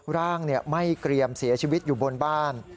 ร่างไหม้เกรียมเสียชีวิตอยู่บนบ้าน